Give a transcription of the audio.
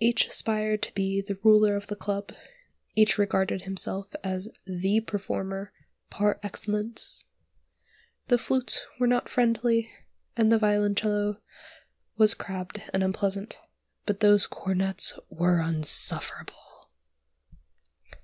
Each aspired to be the ruler of the club, each regarded himself as the performer par excellence. The flutes were not friendly, and the violoncello was crabbed and unpleasant, but those cornets were insufferable.